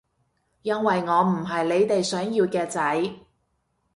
因為我唔係你哋想要嘅仔